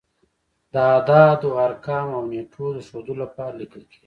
د اعدادو، ارقامو او نېټو د ښودلو لپاره لیکل کیږي.